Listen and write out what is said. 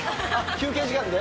休憩時間で？